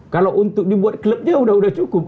kalau untuk dibuat clubnya udah cukup